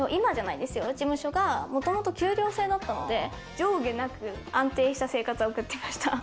事務所がもともと給料制だったので、上下なく安定した生活を送ってました。